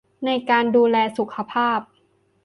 ในการดูแลสุขภาพ